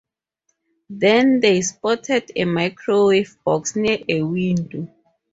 Then they spotted a microwave box near a window.